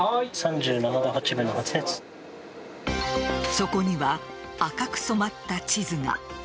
そこには赤く染まった地図が。